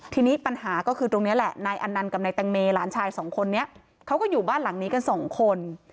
ทีนี้ปัญหาก็คือตรงนี้แหละนายอันนันต์กับนายแตงเมหลานชายสองคนนี้เขาก็อยู่บ้านหลังนี้กันสองคน